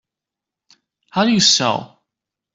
How do you sew?